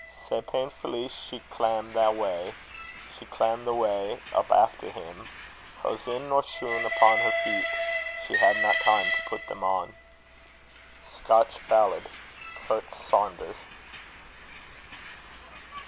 Sae painfully she clam the wa', She clam the wa' up after him; Hosen nor shoon upon her feet, She hadna time to put them on. Scotch Ballad. Clerk Saunders.